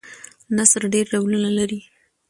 نثر ډېر ډولونه لري.